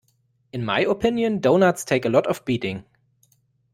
In my opinion, doughnuts take a lot of beating.